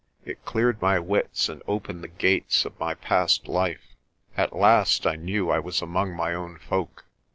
It cleared my wits and opened the gates of my past life. At last I knew I was among my own folk.